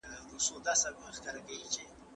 دولت د اقتصادي پالیسیو مسؤلیت لري.